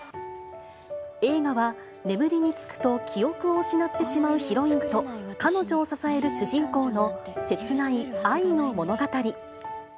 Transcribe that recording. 映画は、眠りにつくと記憶を失ってしまうヒロインと、彼女を支える主人公の切ない愛の物語。